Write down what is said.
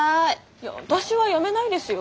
いや私は辞めないですよ？